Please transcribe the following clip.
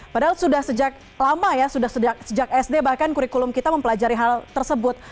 padahal sudah sejak lama ya sudah sejak sd bahkan kurikulum kita mempelajari hal tersebut